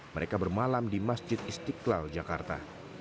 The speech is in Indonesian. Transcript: mereka bermalam di masjid istiqlal jakarta